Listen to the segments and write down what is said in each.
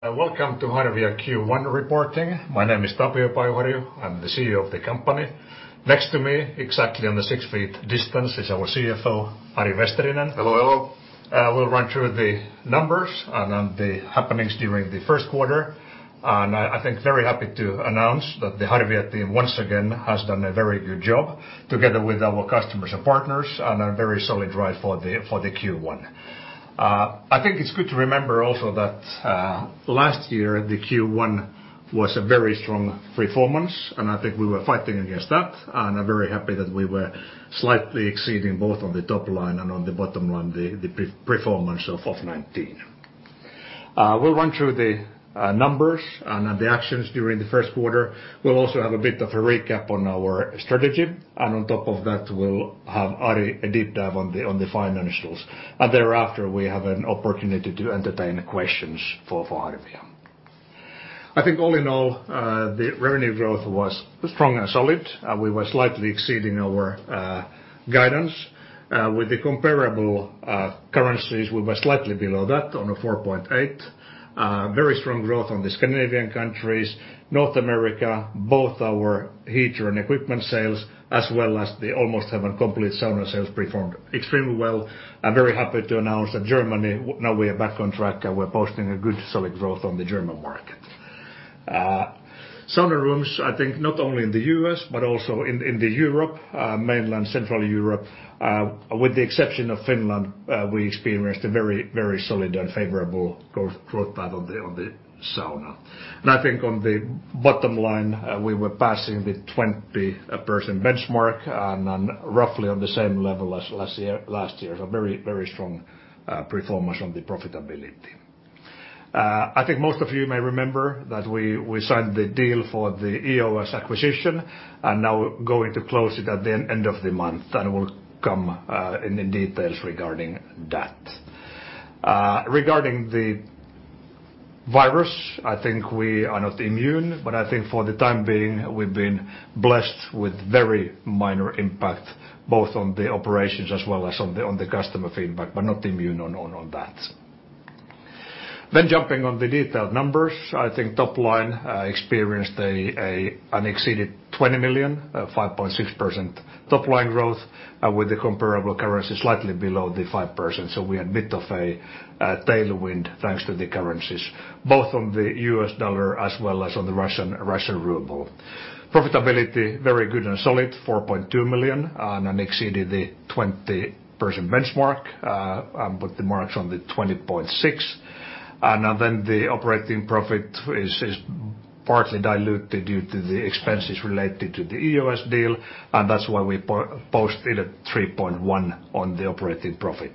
Welcome to Harvia Q1 Reporting. My name is Tapio Pajuharju. I'm the CEO of the company. Next to me, exactly on the six feet distance, is our CFO, Ari Vesterinen. Hello, hello. We'll run through the numbers and the happenings during the first quarter. I'm very happy to announce that the Harvia team, once again, has done a very good job together with our customers and partners on a very solid ride for the Q1. I think it's good to remember also that last year, the Q1 was a very strong performance, and I think we were fighting against that, and I'm very happy that we were slightly exceeding both on the top line and on the bottom line the performance of 2019. We'll run through the numbers and the actions during the first quarter. We'll also have a bit of a recap on our strategy, and on top of that, we'll have a deep dive on the financials. Thereafter, we have an opportunity to entertain questions for Harvia. I think all in all, the revenue growth was strong and solid. We were slightly exceeding our guidance. With the comparable currencies, we were slightly below that on a 4.8%. Very strong growth on the Scandinavian countries, North America, both our heater and equipment sales, as well as the Almost Heaven complete sauna sales performed extremely well. I'm very happy to announce that Germany, now we are back on track, and we're posting a good, solid growth on the German market. Sauna rooms, I think, not only in the U.S., but also in the Europe, mainland, Central Europe, with the exception of Finland, we experienced a very solid and favorable growth path on the sauna. I think on the bottom line, we were passing the 20% benchmark and on roughly on the same level as last year. Very strong performance on the profitability. I think most of you may remember that we signed the deal for the EOS acquisition. Now going to close it at the end of the month, we'll come in the details regarding that. Regarding the virus, I think we are not immune. I think for the time being, we've been blessed with very minor impact, both on the operations as well as on the customer feedback, not immune on that. Jumping on the detailed numbers, I think top line experienced an exceeded 20 million, 5.6% top-line growth with the comparable currency slightly below the 5%. We had a bit of a tailwind, thanks to the currencies, both on the U.S. dollar as well as on the Russian ruble. Profitability, very good and solid, 4.2 million, exceeded the 20% benchmark, the mark's on the 20.6%. The operating profit is partly diluted due to the expenses related to the EOS deal, and that's why we posted 3.1 on the operating profit.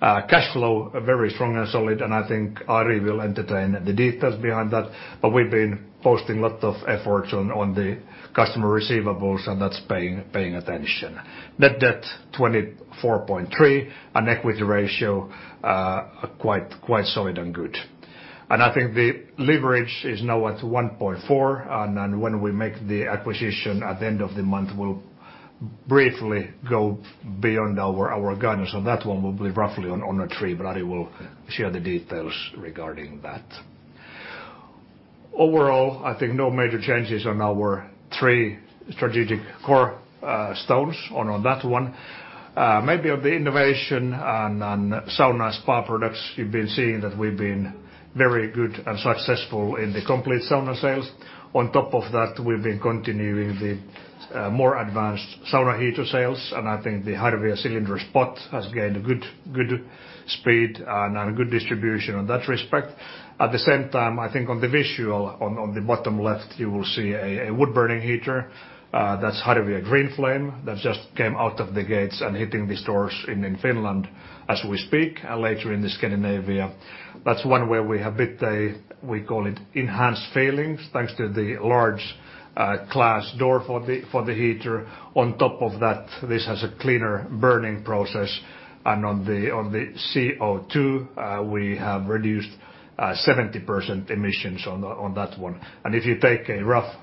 Cash flow, very strong and solid, and I think Ari will entertain the details behind that, but we've been posting lot of efforts on the customer receivables, and that's paying attention. Net debt, 24.3, and equity ratio, quite solid and good. I think the leverage is now at 1.4, and when we make the acquisition at the end of the month, we'll briefly go beyond our guidance on that one. We'll be roughly on a three, but Ari will share the details regarding that. Overall, I think no major changes on our three strategic core stones on that one. On the innovation on sauna spa products, you've been seeing that we've been very good and successful in the complete sauna sales. On top of that, we've been continuing the more advanced sauna heater sales, and I think the Harvia Cilindro Spot has gained good speed and a good distribution in that respect. At the same time, I think on the visual, on the bottom left, you will see a wood-burning heater. That's Harvia GreenFlame that just came out of the gates and hitting the stores in Finland as we speak, and later in Scandinavia. That's one way we have bit a, we call it, enhanced feelings, thanks to the large glass door for the heater. On top of that, this has a cleaner burning process, and on the CO2, we have reduced 70% emissions on that one. If you take a rough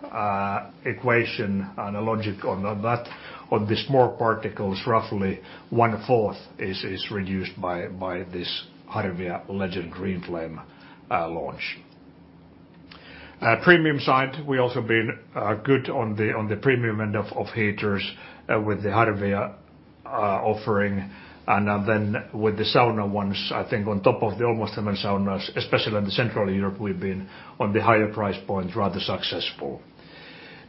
equation and a logic on that, on the small particles, roughly one-fourth is reduced by this Harvia Legend GreenFlame launch. Premium side, we also been good on the premium end of heaters with the Harvia offering. With the sauna ones, I think on top of the Almost Heaven Saunas, especially in the Central Europe, we've been on the higher price points, rather successful.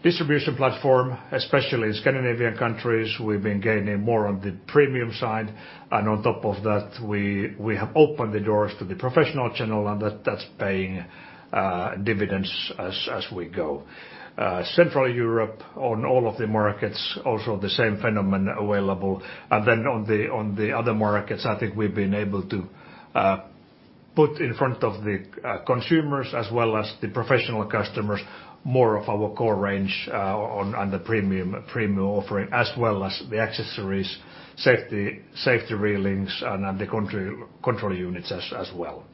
Distribution platform, especially in Scandinavian countries, we've been gaining more on the premium side. On top of that, we have opened the doors to the professional channel, and that's paying dividends as we go. Central Europe, on all of the markets, also the same phenomenon available. On the other markets, I think we've been able to put in front of the consumers as well as the professional customers, more of our core range on the premium offering, as well as the accessories, safety railings, and the control units as well.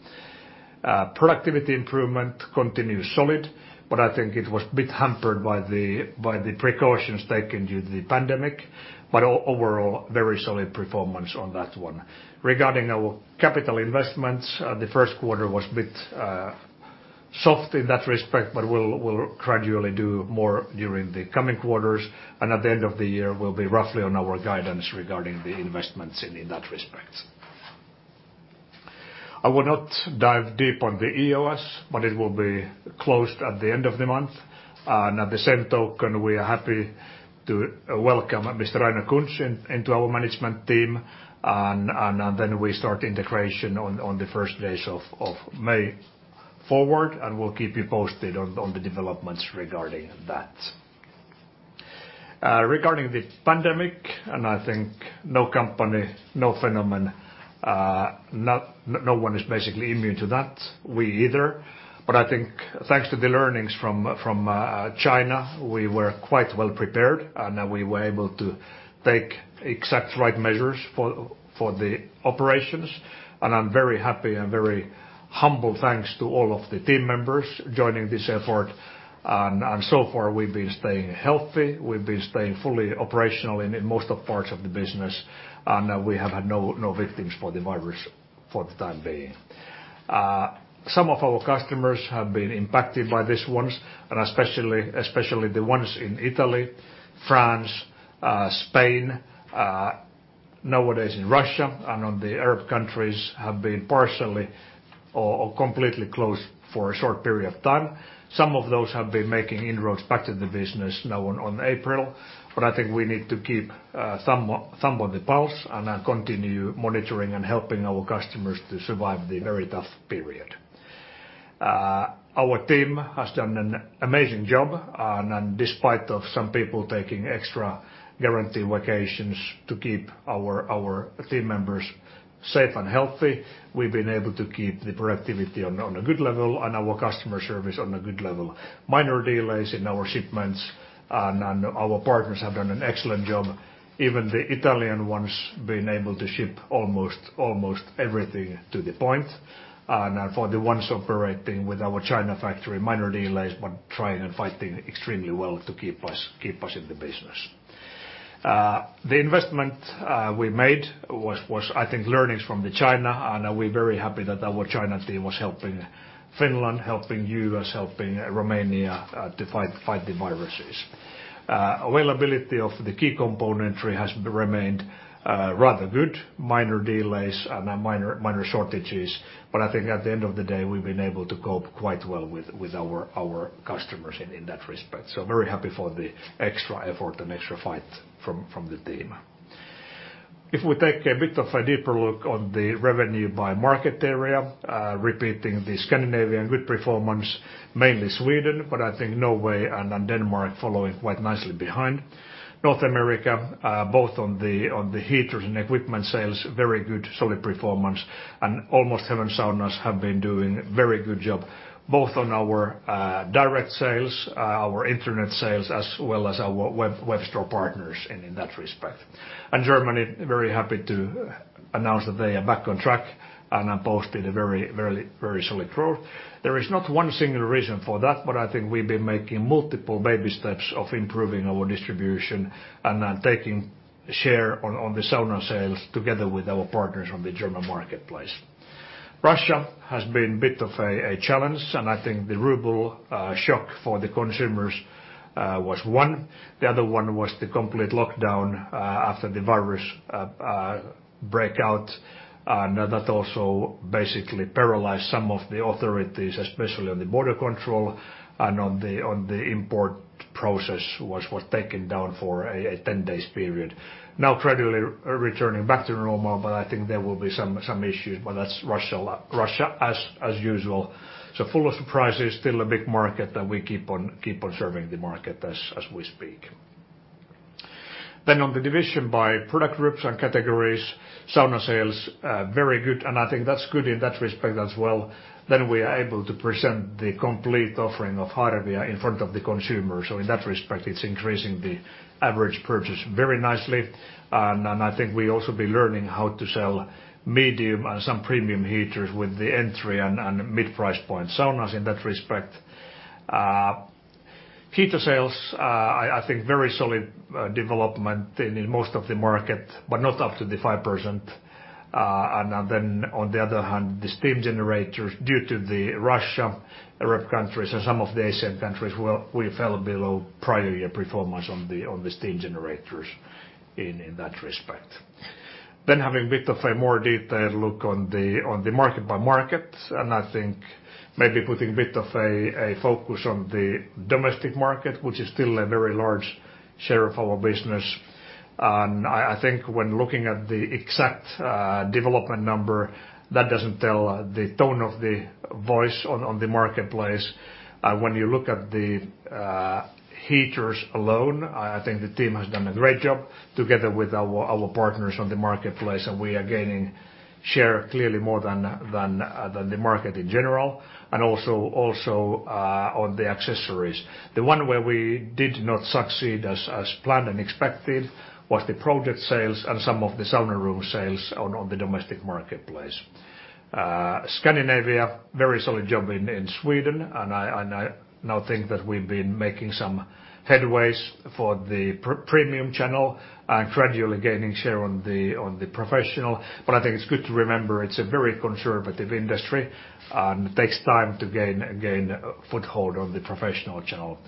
Productivity improvement continues solid, but I think it was a bit hampered by the precautions taken due to the pandemic. Overall, very solid performance on that one. Regarding our capital investments, the first quarter was a bit soft in that respect, but we'll gradually do more during the coming quarters. At the end of the year, we'll be roughly on our guidance regarding the investments in that respect. I will not dive deep on the EOS, but it will be closed at the end of the month. At the same token, we are happy to welcome Mr. Rainer Kunz into our management team, and then we start integration on the first days of May forward, and we'll keep you posted on the developments regarding that. Regarding the pandemic, and I think no company, no phenomenon, no one is basically immune to that. We either. I think, thanks to the learnings from China, we were quite well prepared, and we were able to take exact right measures for the operations. I'm very happy and very humble, thanks to all of the team members joining this effort. So far, we've been staying healthy. We've been staying fully operational in most of parts of the business, and we have had no victims for the virus for the time being. Some of our customers have been impacted by this once. Especially the ones in Italy, France, Spain, nowadays in Russia, and on the Arab countries have been partially or completely closed for a short period of time. Some of those have been making inroads back to the business now on April. I think we need to keep thumb on the pulse and continue monitoring and helping our customers to survive the very tough period. Our team has done an amazing job. Despite of some people taking extra guarantee vacations to keep our team members safe and healthy, we've been able to keep the productivity on a good level and our customer service on a good level. Minor delays in our shipments. Our partners have done an excellent job, even the Italian ones being able to ship almost everything to the point. For the ones operating with our China factory, minor delays, but trying and fighting extremely well to keep us in the business. The investment we made was, I think, learnings from the China, and we're very happy that our China team was helping Finland, helping U.S., helping Romania, to fight the viruses. Availability of the key componentry has remained rather good, minor delays and minor shortages. I think at the end of the day, we've been able to cope quite well with our customers in that respect. Very happy for the extra effort and extra fight from the team. If we take a bit of a deeper look on the revenue by market area, repeating the Scandinavian good performance, mainly Sweden, but I think Norway and then Denmark following quite nicely behind. North America, both on the heaters and equipment sales, very good, solid performance. Almost Heaven Saunas have been doing very good job, both on our direct sales, our internet sales, as well as our web store partners in that respect. Germany, very happy to announce that they are back on track and posted a very solid growth. There is not one single reason for that, I think we've been making multiple baby steps of improving our distribution and then taking share on the sauna sales together with our partners on the German marketplace. Russia has been bit of a challenge, I think the ruble shock for the consumers was one. The other one was the complete lockdown after the virus breakout, and that also basically paralyzed some of the authorities, especially on the border control and on the import process was taken down for a 10 days period. Now gradually returning back to normal, but I think there will be some issues, but that's Russia as usual, full of surprises, still a big market, and we keep on serving the market as we speak. On the division by product groups and categories, sauna sales are very good, and I think that's good in that respect as well. We are able to present the complete offering of Harvia in front of the consumer. In that respect, it's increasing the average purchase very nicely. I think we also be learning how to sell medium and some premium heaters with the entry and mid-price point saunas in that respect. Heater sales, I think very solid development in most of the market, but not up to the 5%. On the other hand, the steam generators due to the Russia, Arab countries and some of the Asian countries, we fell below prior year performance on the steam generators in that respect. Having a bit of a more detailed look on the market by market, I think maybe putting a bit of a focus on the domestic market, which is still a very large share of our business. I think when looking at the exact development number, that doesn't tell the tone of the voice on the marketplace. When you look at the heaters alone, I think the team has done a great job together with our partners on the marketplace, and we are gaining share clearly more than the market in general, and also on the accessories. The one where we did not succeed as planned and expected was the project sales and some of the sauna room sales on the domestic marketplace. Scandinavia, very solid job in Sweden, I now think that we've been making some headways for the premium channel and gradually gaining share on the professional. I think it's good to remember it's a very conservative industry, and it takes time to gain a foothold on the professional channel.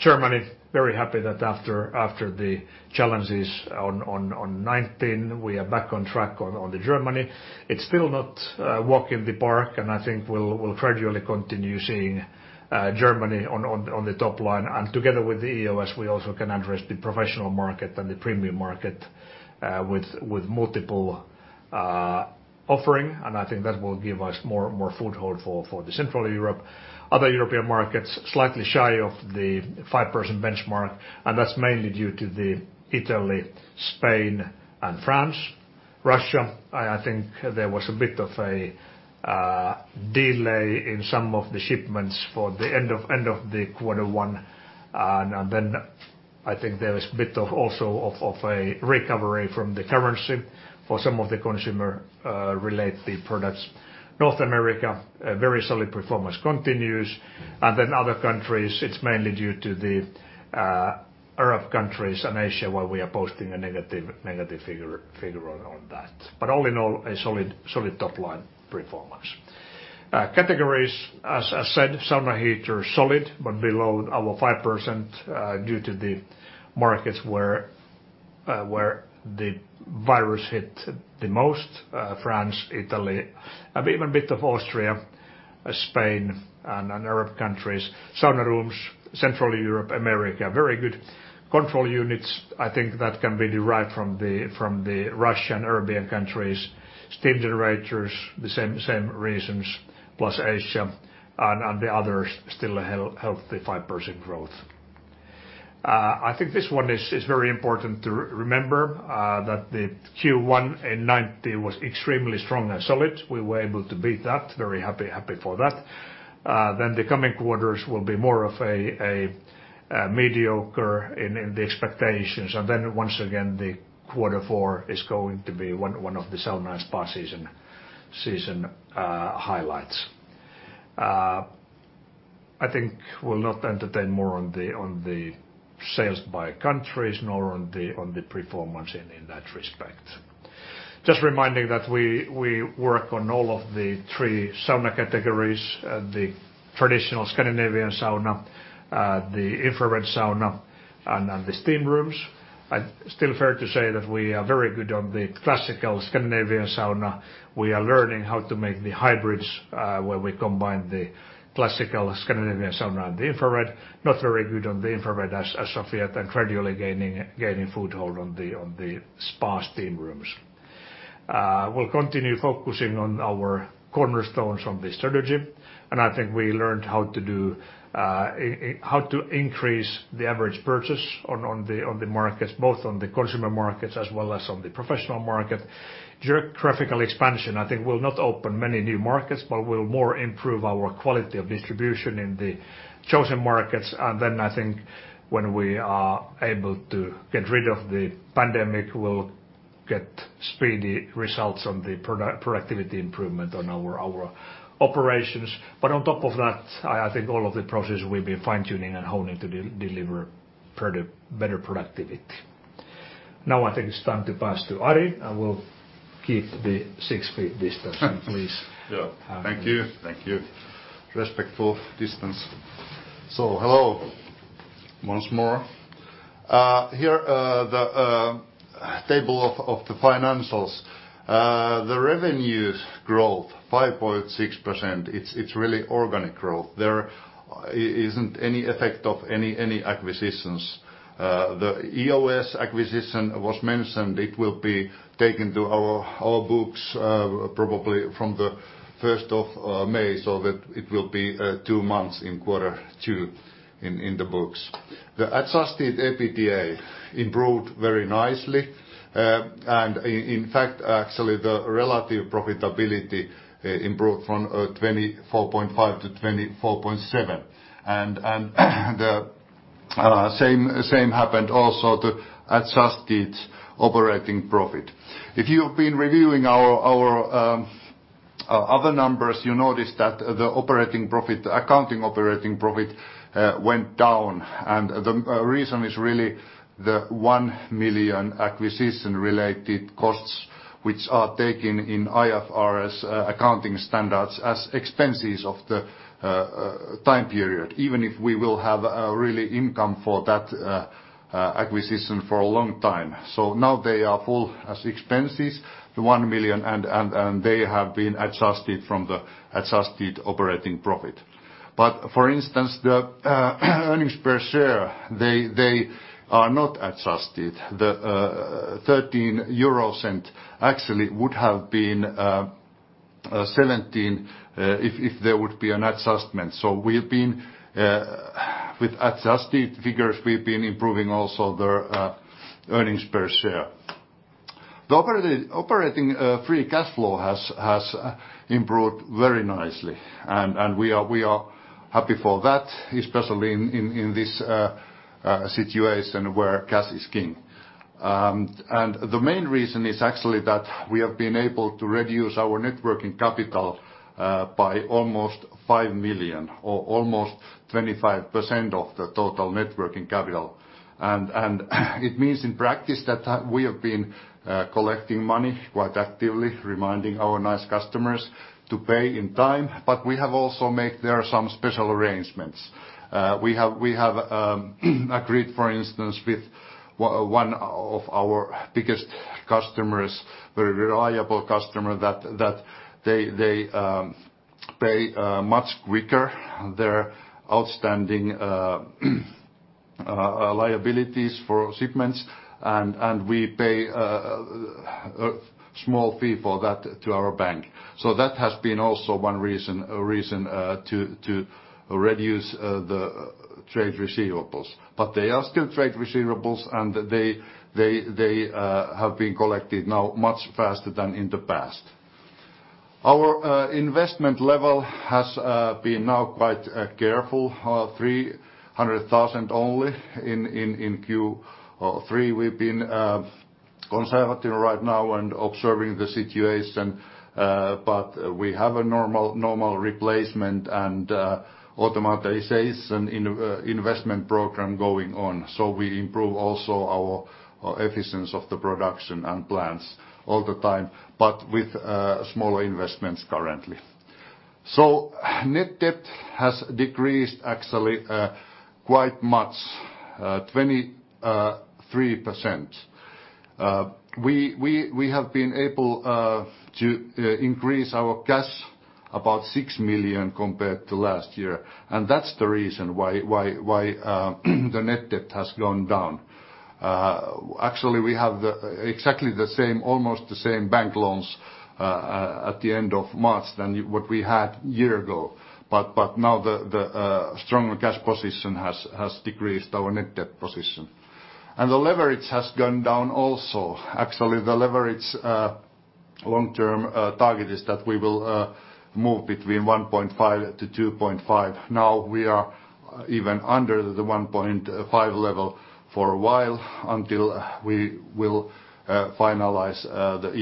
Germany, very happy that after the challenges in 2019, we are back on track on Germany. It's still not a walk in the park. I think we'll gradually continue seeing Germany on the top line. Together with the EOS, we also can address the professional market and the premium market with multiple offering. I think that will give us more foothold for Central Europe. Other European markets, slightly shy of the 5% benchmark, that's mainly due to Italy, Spain, and France. Russia, I think there was a bit of a delay in some of the shipments for the end of quarter one. I think there is a bit of also of a recovery from the currency for some of the consumer-related products. North America, very solid performance continues. Other countries, it's mainly due to the Arab countries and Asia, where we are posting a negative figure on that. All in all, a solid top-line performance. Categories, as I said, sauna heater, solid, below our 5% due to the markets where the virus hit the most, France, Italy, even bit of Austria, Spain and Arab countries. Sauna rooms, Central Europe, America, very good. Control units, I think that can be derived from the Russian, Arabian countries. Steam generators, the same reasons, plus Asia, the others still a healthy 5% growth. I think this one is very important to remember, that the Q1 in 2019 was extremely strong and solid. We were able to beat that. Very happy for that. The coming quarters will be more of a mediocre in the expectations. Once again, the quarter four is going to be one of the sauna and spa season highlights. I think we'll not entertain more on the sales by countries, nor on the performance in that respect. Just reminding that we work on all of the three sauna categories, the traditional Scandinavian sauna, the infrared sauna, and the steam rooms. Still fair to say that we are very good on the classical Scandinavian sauna. We are learning how to make the hybrids where we combine the classical Scandinavian sauna and the infrared. Not very good on the infrared as of yet, and gradually gaining foothold on the spa steam rooms. We'll continue focusing on our cornerstones on the strategy, and I think we learned how to increase the average purchase on the markets, both on the consumer markets as well as on the professional market. Geographical expansion, I think we'll not open many new markets, but we'll more improve our quality of distribution in the chosen markets. I think when we are able to get rid of the pandemic, we'll get speedy results on the productivity improvement on our operations. On top of that, I think all of the processes we've been fine-tuning and honing to deliver better productivity. Now, I think it's time to pass to Ari. I will keep the six-feet distance, please. Yeah. Thank you. Respectful distance. Hello, once more. Here are the table of the financials. The revenues growth, 5.6%. It's really organic growth. There isn't any effect of any acquisitions. The EOS acquisition was mentioned. It will be taken to our books probably from the 1st of May, so that it will be two months in quarter two in the books. The adjusted EBITDA improved very nicely. In fact, actually, the relative profitability improved from 24.5%-24.7%. The same happened also to adjusted operating profit. If you've been reviewing our other numbers, you notice that the accounting operating profit went down, the reason is really the 1 million acquisition-related costs, which are taken in IFRS accounting standards as expenses of the time period, even if we will have a really income for that acquisition for a long time. Now they are full as expenses, the 1 million, and they have been adjusted from the adjusted operating profit. For instance, the earnings per share, they are not adjusted. The EUR 0.13 actually would have been 0.17 if there would be an adjustment. With adjusted figures, we've been improving also the earnings per share. The operating free cash flow has improved very nicely, and we are happy for that, especially in this situation where cash is king. The main reason is actually that we have been able to reduce our net working capital by almost 5 million, or almost 25% of the total net working capital. It means in practice that we have been collecting money quite actively, reminding our nice customers to pay in time, but we have also made there some special arrangements. We have agreed, for instance, with one of our biggest customers, very reliable customer, that they pay much quicker, their outstanding liabilities for shipments, and we pay a small fee for that to our bank. That has been also one reason to reduce the trade receivables. They are still trade receivables, and they have been collected now much faster than in the past. Our investment level has been now quite careful, 300,000 only in Q1. We've been conservative right now and observing the situation, but we have a normal replacement and automation investment program going on. We improve also our efficiency of the production and plants all the time, but with smaller investments currently. Net debt has decreased actually quite much, 23%. We have been able to increase our cash about 6 million compared to last year. That's the reason why the net debt has gone down. Actually, we have exactly the same, almost the same bank loans at the end of March than what we had a year ago. Now the strong cash position has decreased our net debt position. The leverage has gone down also. Actually, the leverage long-term target is that we will move between 1.5-2.5. Now we are even under the 1.5 level for a while until we will finalize the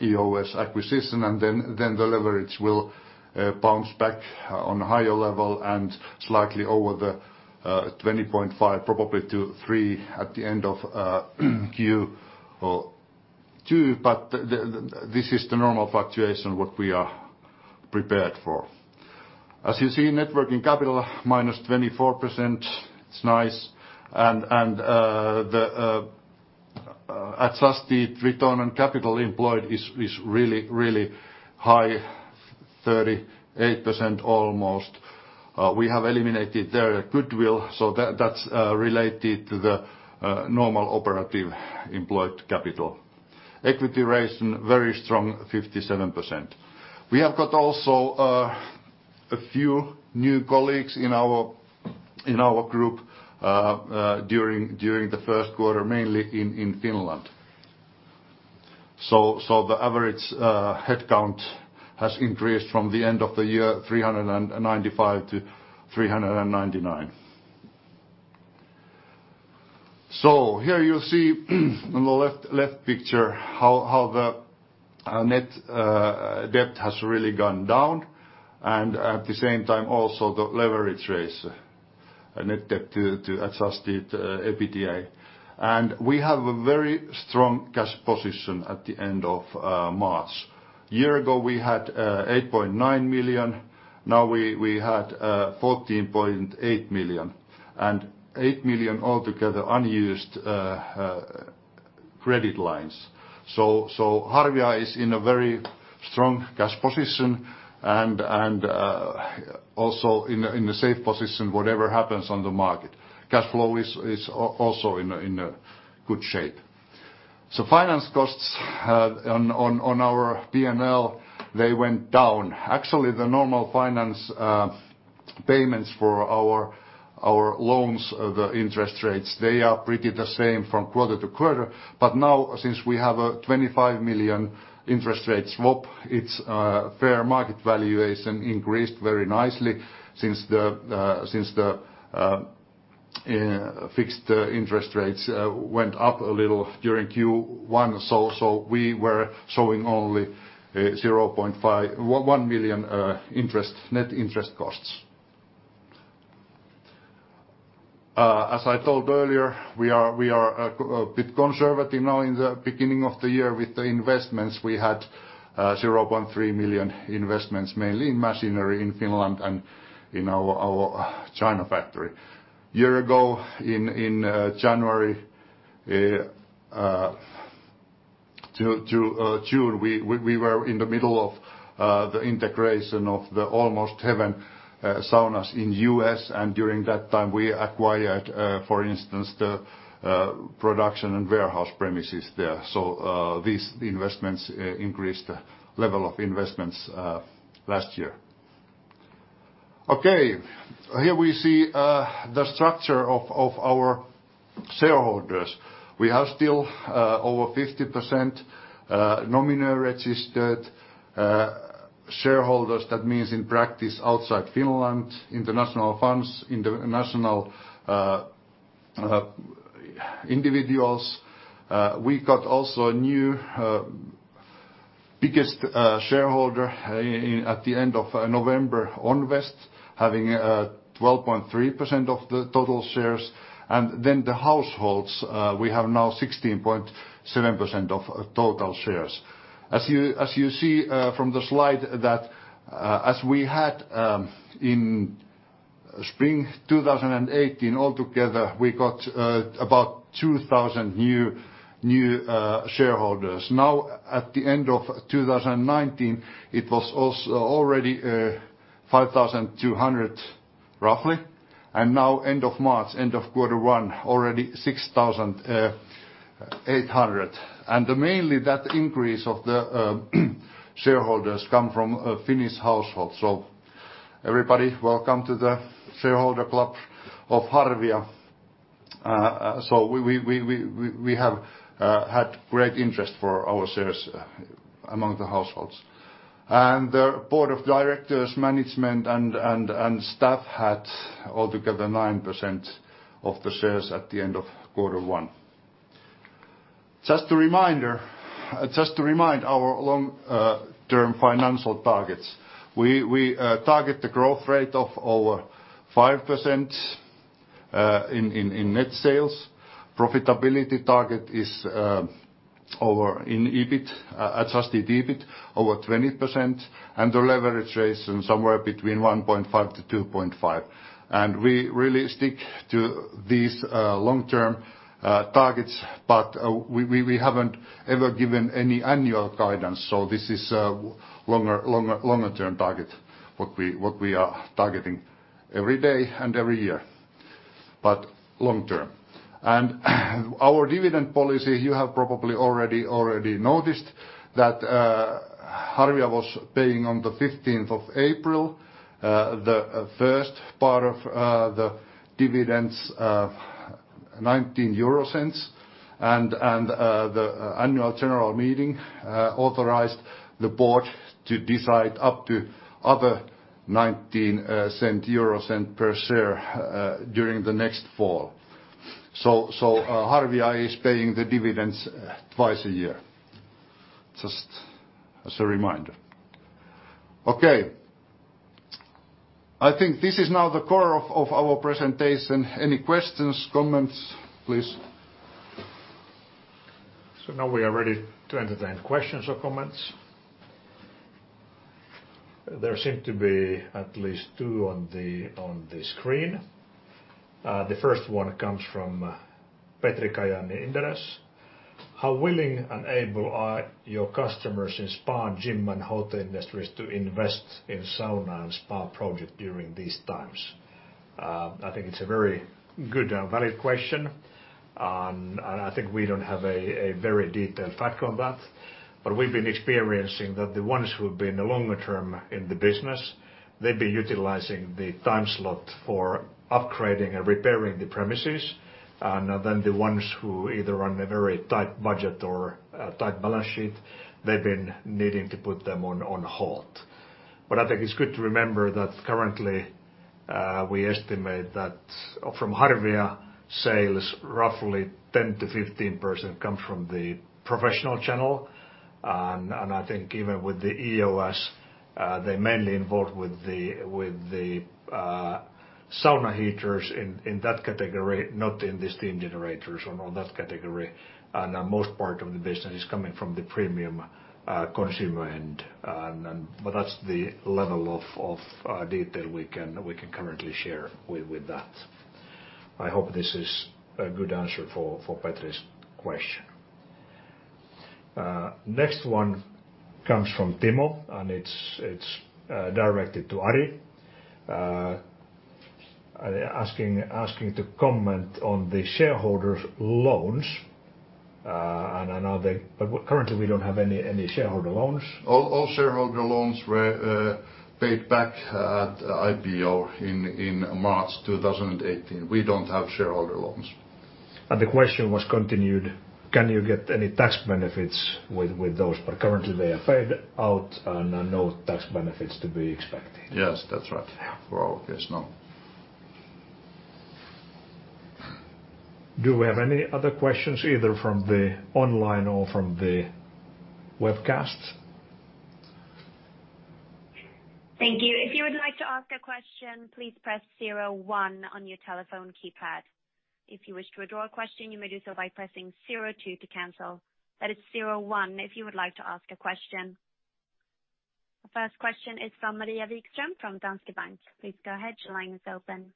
EOS acquisition, and then the leverage will bounce back on a higher level and slightly over the 2.5 probably to 3 at the end of Q2. This is the normal fluctuation, what we are prepared for. As you see, net working capital minus 24%, it's nice. The adjusted return on capital employed is really, really high, 38% almost. We have eliminated their goodwill, so that's related to the normal operative employed capital. Equity ratio, very strong, 57%. We have got also a few new colleagues in our group during the first quarter, mainly in Finland. The average headcount has increased from the end of the year, 395 to 399. Here you see on the left picture how the net debt has really gone down, and at the same time also the leverage ratio, net debt to adjusted EBITDA. We have a very strong cash position at the end of March. A year ago, we had 8.9 million. Now we had 14.8 million-8 million altogether unused credit lines. Harvia is in a very strong cash position and also in a safe position, whatever happens on the market. Cash flow is also in a good shape. Finance costs on our P&L, they went down. Actually, the normal finance payments for our loans, the interest rates, they are pretty the same from quarter to quarter. Now since we have a 25 million interest rate swap, its fair market valuation increased very nicely since the fixed interest rates went up a little during Q1. We were showing only 1 million net interest costs. As I told earlier, we are a bit conservative now in the beginning of the year with the investments. We had 0.3 million investments, mainly in machinery in Finland and in our China factory. A year ago in January to June, we were in the middle of the integration of the Almost Heaven Saunas in U.S., and during that time, we acquired, for instance, the production and warehouse premises there. These investments increased the level of investments last year. Here we see the structure of our shareholders. We have still over 50% nominal registered shareholders. That means, in practice, outside Finland, international funds, international individuals. We got also a new biggest shareholder at the end of November, Onvest, having 12.3% of the total shares. The households, we have now 16.7% of total shares. As you see from the slide that as we had in spring 2018, altogether, we got about 2,000 new shareholders. At the end of 2019, it was already 5,200, roughly. End of March, end of quarter one, already 6,800. Mainly that increase of the shareholders come from Finnish households. Everybody, welcome to the shareholder club of Harvia. We have had great interest for our shares among the households. The board of directors, management, and staff had altogether 9% of the shares at the end of quarter one. Just to remind our long-term financial targets, we target the growth rate of over 5% in net sales. Profitability target is in adjusted EBIT, over 20%, and the leverage ratio somewhere between 1.5-2.5. We really stick to these long-term targets, but we haven't ever given any annual guidance, this is a longer term target, what we are targeting every day and every year, but long-term. Our dividend policy, you have probably already noticed that Harvia was paying on the 15th of April, the first part of the dividends of EUR 0.19. The annual general meeting authorized the board to decide up to other 0.19 per share during the next fall. Harvia is paying the dividends twice a year. Just as a reminder. Okay. I think this is now the core of our presentation. Any questions, comments, please? Now we are ready to entertain questions or comments. There seem to be at least two on the screen. The first one comes from Petri Kajaani, Inderes. How willing and able are your customers in spa, gym, and hotel industries to invest in sauna and spa project during these times? I think it's a very good and valid question, and I think we don't have a very detailed fact on that. We've been experiencing that the ones who've been longer term in the business, they've been utilizing the time slot for upgrading and repairing the premises. The ones who either run a very tight budget or a tight balance sheet, they've been needing to put them on halt. I think it's good to remember that currently, we estimate that from Harvia sales, roughly 10%-15% come from the professional channel. I think even with the EOS, they're mainly involved with the sauna heaters in that category, not in the steam generators or that category. The most part of the business is coming from the premium consumer end. That's the level of detail we can currently share with that. I hope this is a good answer for Petri's question. Next one comes from Timo, and it's directed to Ari. Asking to comment on the shareholders' loans. Currently we don't have any shareholder loans. All shareholder loans were paid back at IPO in March 2018. We don't have shareholder loans. The question was continued, can you get any tax benefits with those? Currently they are paid out and no tax benefits to be expected. Yes, that's right. For all case, no. Do we have any other questions, either from the online or from the webcast? Thank you. If you would like to ask a question, please press zero one on your telephone keypad. If you wish to withdraw a question, you may do so by pressing zero two to cancel. That is zero one if you would like to ask a question. The first question is from Maria Wikström, from Danske Bank. Please go ahead, your line is open.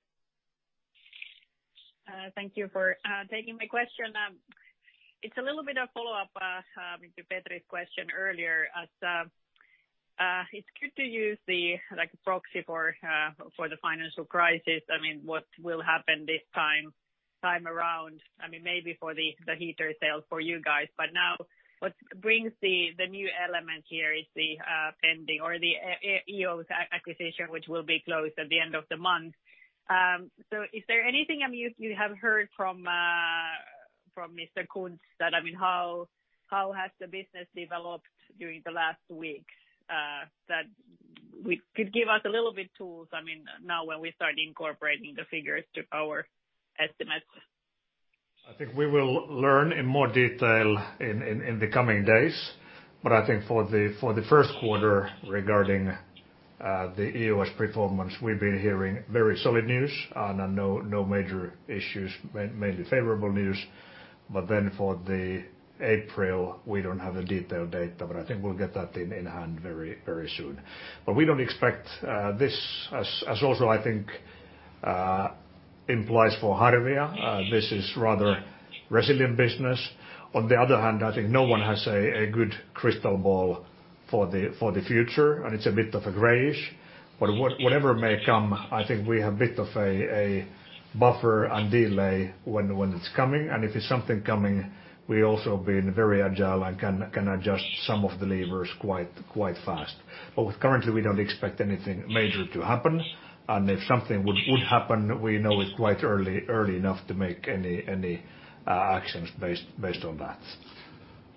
Thank you for taking my question. It's a little bit of follow-up to Petri's question earlier, as it's good to use the proxy for the financial crisis. I mean, what will happen this time around? Maybe for the heater sale for you guys. Now what brings the new element here is the pending or the EOS acquisition, which will be closed at the end of the month. Is there anything you have heard from Mr. Kunz that, how has the business developed during the last week? That could give us a little bit tools, now when we start incorporating the figures to our estimates. I think we will learn in more detail in the coming days. I think for the first quarter regarding the EOS performance, we've been hearing very solid news and no major issues, mainly favorable news. For the April, we don't have the detailed data, I think we'll get that in hand very soon. We don't expect this, as also I think implies for Harvia, this is rather resilient business. On the other hand, I think no one has a good crystal ball for the future, and it's a bit of a grayish. Whatever may come, I think we have bit of a buffer and delay when it's coming. If it's something coming, we also have been very agile and can adjust some of the levers quite fast. Currently, we don't expect anything major to happen. If something would happen, we know it quite early enough to make any actions based on that.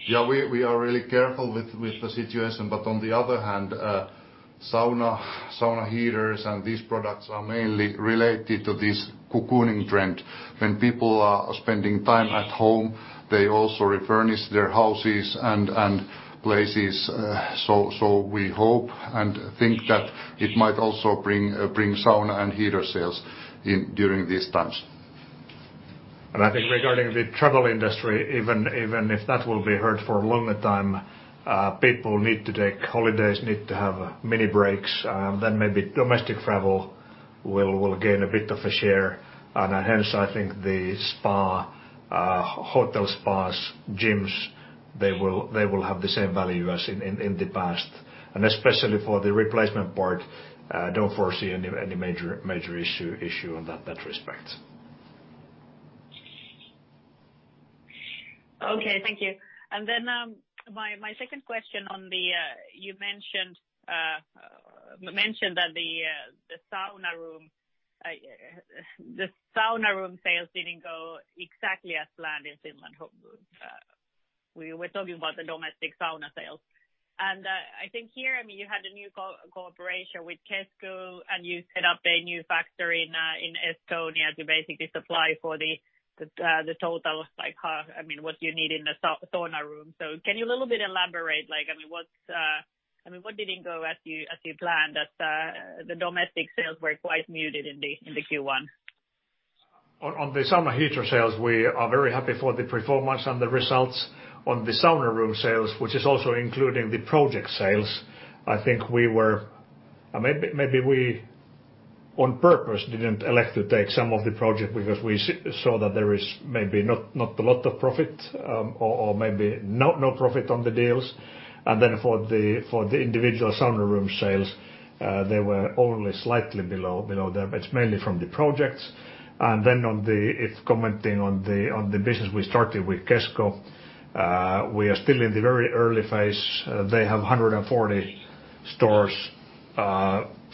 Yeah, we are really careful with the situation. On the other hand, sauna heaters and these products are mainly related to this cocooning trend. When people are spending time at home, they also refurnish their houses and places. We hope and think that it might also bring sauna and heater sales during these times. I think regarding the travel industry, even if that will be hurt for a longer time, people need to take holidays, need to have mini breaks. Maybe domestic travel will gain a bit of a share, and hence I think the hotel spas, gyms, they will have the same value as in the past. Especially for the replacement part, I don't foresee any major issue on that respect. Okay, thank you. My second question on the You mentioned that the sauna room sales didn't go exactly as planned in Finland. We were talking about the domestic sauna sales. I think here, you had a new cooperation with Kesko, and you set up a new factory in Estonia to basically supply for the totals by half, what you need in the sauna room. Can you a little bit elaborate, what didn't go as you planned that the domestic sales were quite muted in the Q1? On the sauna heater sales, we are very happy for the performance and the results. On the sauna room sales, which is also including the project sales, I think maybe we on purpose didn't elect to take some of the project because we saw that there is maybe not a lot of profit or maybe no profit on the deals. For the individual sauna room sales, they were only slightly below. It's mainly from the projects. If commenting on the business we started with Kesko, we are still in the very early phase. They have 140 stores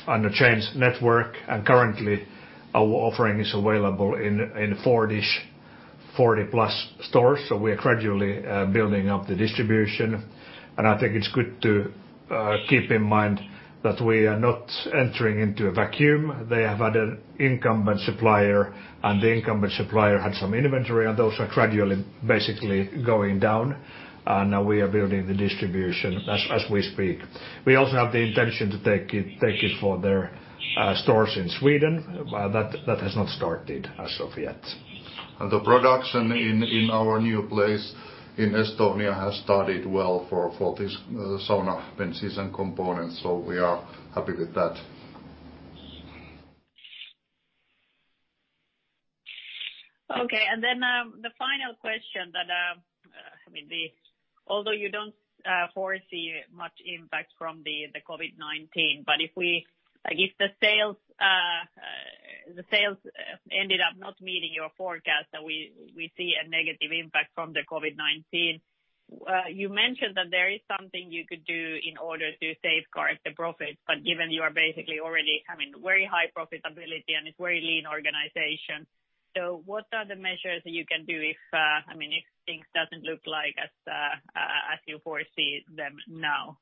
on the chains network, currently our offering is available in 40-plus stores. We are gradually building up the distribution. I think it's good to keep in mind that we are not entering into a vacuum. They have had an incumbent supplier, and the incumbent supplier had some inventory, and those are gradually, basically going down. Now we are building the distribution as we speak. We also have the intention to take it for their stores in Sweden. That has not started as of yet. The production in our new place in Estonia has started well for this sauna season components. We are happy with that. The final question that although you don't foresee much impact from the COVID-19, but if the sales ended up not meeting your forecast, and we see a negative impact from the COVID-19. You mentioned that there is something you could do in order to safeguard the profit, but given you are basically already having very high profitability and it's very lean organization. What are the measures you can do if things doesn't look like as you foresee them now?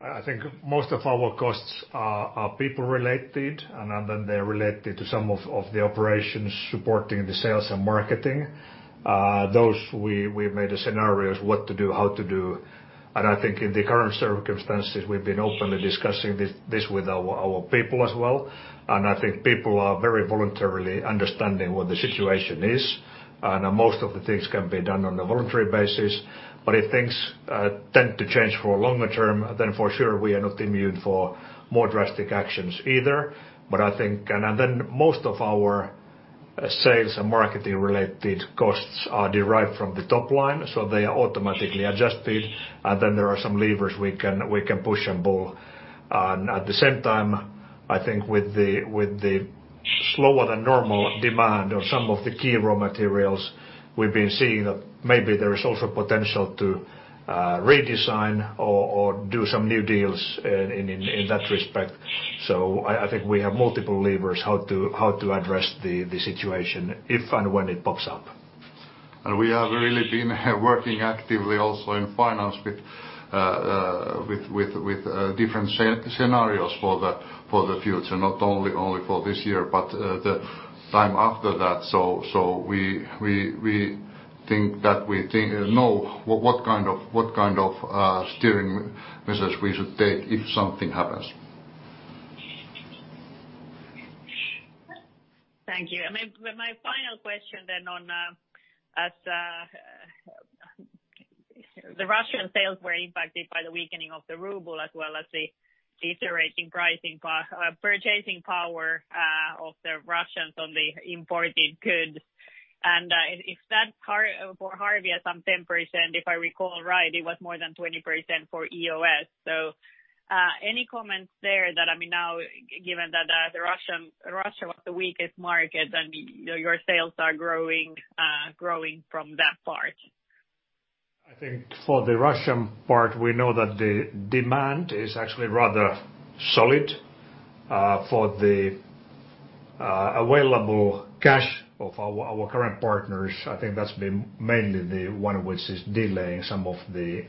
I think most of our costs are people related, and then they're related to some of the operations supporting the sales and marketing. Those we've made a scenario is what to do, how to do. I think in the current circumstances, we've been openly discussing this with our people as well, and I think people are very voluntarily understanding what the situation is. Most of the things can be done on a voluntary basis. If things tend to change for a longer term, then for sure we are not immune for more drastic actions either. I think, and then most of our sales and marketing related costs are derived from the top line, so they are automatically adjusted, and then there are some levers we can push and pull. At the same time, I think with the slower than normal demand on some of the key raw materials, we've been seeing that maybe there is also potential to redesign or do some new deals in that respect. I think we have multiple levers how to address the situation if and when it pops up. We have really been working actively also in finance with different scenarios for the future, not only for this year, but the time after that. We think that we know what kind of steering measures we should take if something happens. Thank you. My final question on the Russian sales were impacted by the weakening of the ruble as well as the deteriorating purchasing power of the Russians on the imported goods, and if that's hard for Harvia some 10%, if I recall right, it was more than 20% for EOS. Any comments there that, now given that Russia was the weakest market and your sales are growing from that part? I think for the Russian part we know that the demand is actually rather solid for the available cash of our current partners. I think that's been mainly the one which is delaying some of the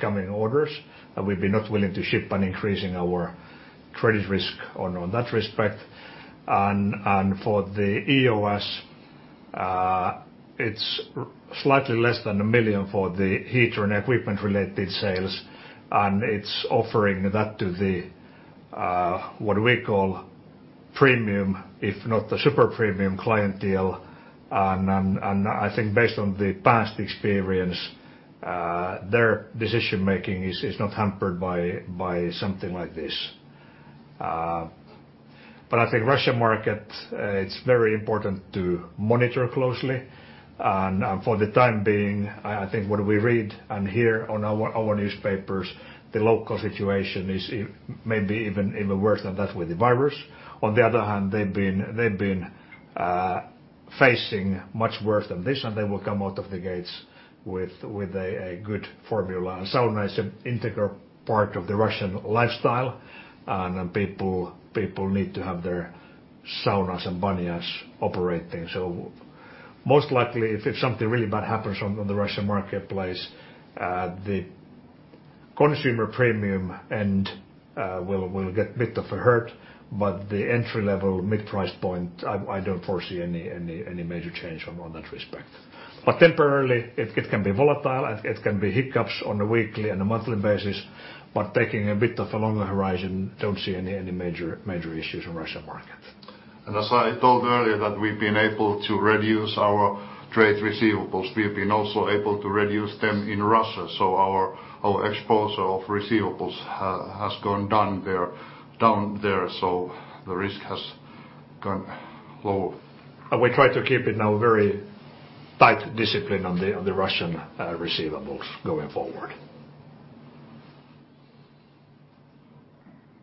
coming orders, and we've been not willing to ship and increasing our credit risk on that respect. For the EOS, it's slightly less than 1 million for the heater and equipment-related sales, and it's offering that to the what we call premium, if not the super premium clientele. I think based on the past experience, their decision-making is not hampered by something like this. I think Russia market, it's very important to monitor closely, and for the time being, I think what we read and hear on our newspapers, the local situation is maybe even worse than that with the virus. They've been facing much worse than this, and they will come out of the gates with a good formula. Sauna is an integral part of the Russian lifestyle, and people need to have their saunas and banyas operating. Most likely, if something really bad happens on the Russian marketplace, the consumer premium end will get a bit of a hurt. The entry level mid price point, I don't foresee any major change on that respect. Temporarily it can be volatile and it can be hiccups on a weekly and a monthly basis, but taking a bit of a longer horizon, don't see any major issues on Russia market. As I told earlier, that we've been able to reduce our trade receivables, we've been also able to reduce them in Russia. Our exposure of receivables has gone down there, so the risk has gone low. We try to keep it now very tight discipline on the Russian receivables going forward.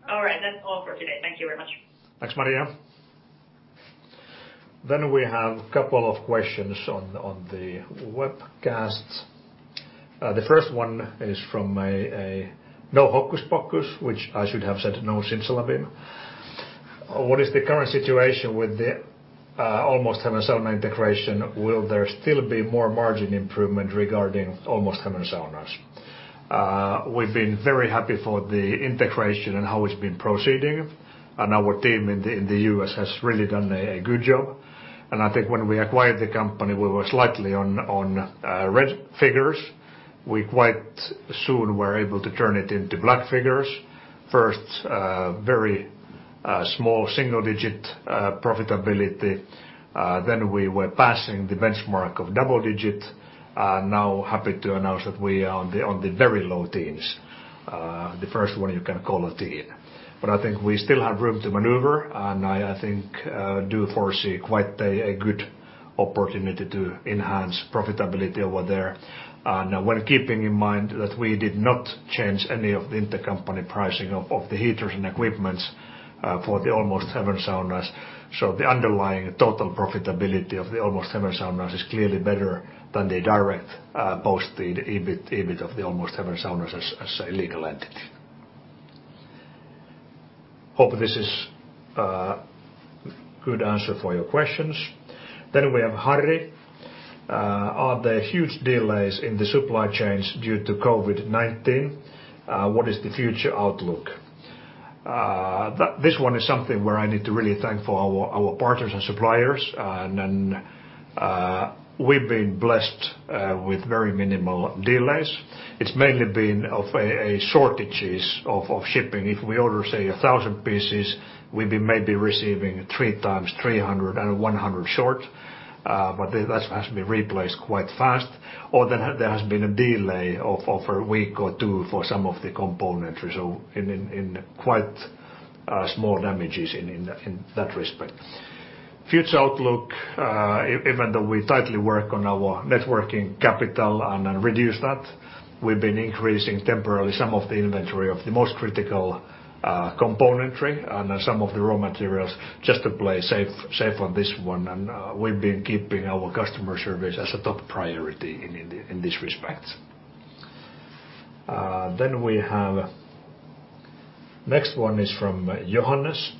All right. That's all for today. Thank you very much. Thanks, Maria. We have a couple of questions on the webcast. The first one is from a no hocus pocus, which I should have said no Simsalabim. What is the current situation with the Almost Heaven Saunas integration? Will there still be more margin improvement regarding Almost Heaven Saunas? We've been very happy for the integration and how it's been proceeding, and our team in the U.S. has really done a good job. I think when we acquired the company, we were slightly on red figures. We quite soon were able to turn it into black figures first very small single-digit profitability. We were passing the benchmark of double-digit, and now happy to announce that we are on the very low teens. The first one you can call a teen. I think we still have room to maneuver, and I think do foresee quite a good opportunity to enhance profitability over there. While keeping in mind that we did not change any of the intercompany pricing of the heaters and equipments for the Almost Heaven Saunas. The underlying total profitability of the Almost Heaven Saunas is clearly better than the direct posted EBIT of the Almost Heaven Saunas as a legal entity. Hope this is a good answer for your questions. We have Harry. "Are there huge delays in the supply chains due to COVID-19? What is the future outlook?" This one is something where I need to really thank for our partners and suppliers, and we've been blessed with very minimal delays. It's mainly been of a shortages of shipping. If we order, say, 1,000 pieces, we'd be maybe receiving three times 300 and 100 short. That has been replaced quite fast. There has been a delay of a week or two for some of the component result in quite small damages in that respect. Future outlook, even though we tightly work on our net working capital and reduce that, we've been increasing temporarily some of the inventory of the most critical componentry and some of the raw materials just to play safe on this one, and we've been keeping our customer service as a top priority in this respect. We have next one is from Johannes.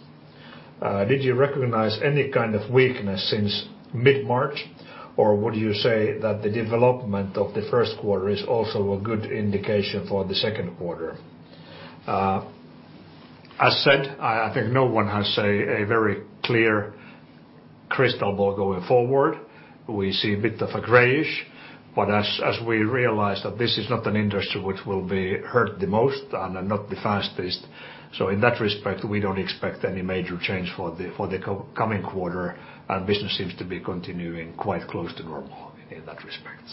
Did you recognize any kind of weakness since mid-March, or would you say that the development of the first quarter is also a good indication for the second quarter? As said, I think no one has a very clear crystal ball going forward. We see a bit of a grayish, but as we realized that this is not an industry which will be hurt the most and not the fastest. In that respect, we don't expect any major change for the coming quarter, and business seems to be continuing quite close to normal in that respect.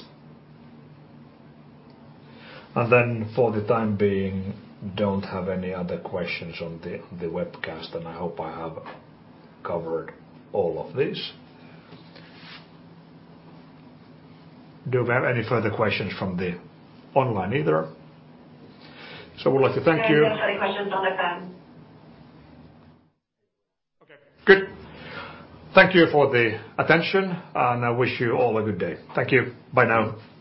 For the time being, don't have any other questions on the webcast, and I hope I have covered all of this. Do we have any further questions from the online either? I would like to thank you. If you have no any questions on the phone. Okay, good. Thank you for the attention, and I wish you all a good day. Thank you. Bye now.